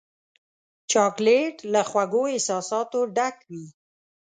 چاکلېټ له خوږو احساساتو ډک وي.